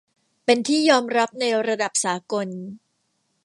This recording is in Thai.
เป็นที่ยอมรับในระดับสากล